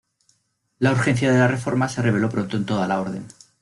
La urgencia de la reforma se reveló pronto en toda la orden.